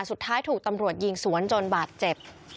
สุดท้ายถูกตำรวจยิงสวนจนบาดเจ็บ